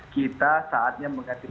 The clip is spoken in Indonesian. kita saatnya mengajak